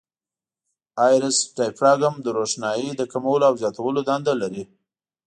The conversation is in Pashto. آیرس ډایفراګم د روښنایي د کمولو او زیاتولو دنده لري.